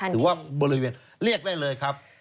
หรือว่าบริเวณเรียกได้เลยครับ